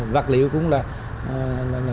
vật liệu cũng là